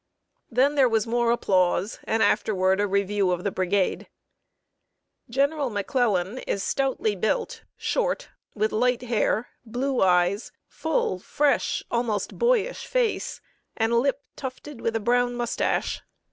Then there was more applause, and afterward a review of the brigade. [Sidenote: PENALTY OF WRITING FOR THE TRIBUNE.] General McClellan is stoutly built, short, with light hair, blue eyes, full, fresh, almost boyish face, and lip tufted with a brown mustache.